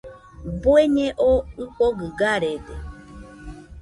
Bueñe oo ɨfogɨ garede.